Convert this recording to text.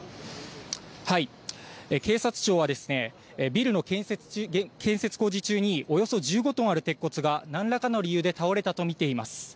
警察庁はビルの建設工事中におよそ１５トンある鉄骨が何らかの理由で倒れたと見ています。